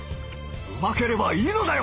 うまければいいのだよ！